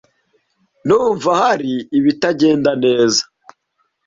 Ndumva hari ibitagenda neza.